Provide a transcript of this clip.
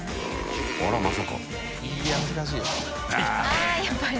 あっやっぱり。